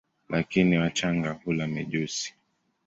Lakini wachanga hula mijusi.